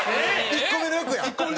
１個目の欲や！